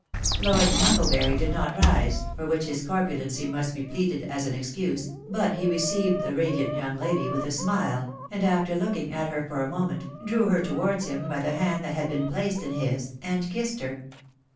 Lord Mucklebury did not rise, for which his corpulency must be pleaded as an excuse, but he received the radiant young lady with a smile, and, after looking at her for a moment, drew her towards him by the hand that had been placed in his, and kissed her.